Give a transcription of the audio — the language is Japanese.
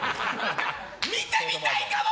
見てみたいかも！